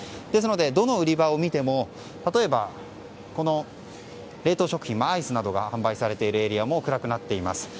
ですので、どの売り場を見ても例えば、冷凍食品アイスなどが販売されるエリアも暗くなっています。